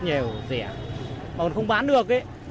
nhiều rẻ mà còn không bán được